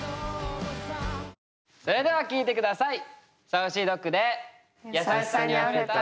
それでは聴いて下さい！